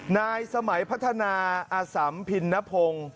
นายสมัยพัฒนาอสัมพินนพงศ์